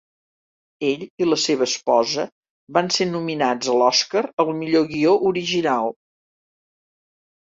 Ell i la seva esposa van ser nominats a l'Oscar al millor guió original.